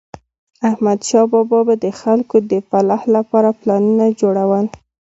احمدشاه بابا به د خلکو د فلاح لپاره پلانونه جوړول.